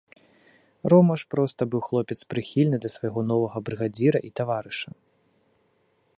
Рома ж проста быў хлопец прыхільны да свайго новага брыгадзіра і таварыша.